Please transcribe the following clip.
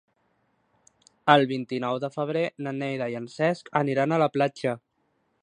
El vint-i-nou de febrer na Neida i en Cesc aniran a la platja.